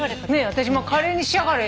私もカレーにしやがれ。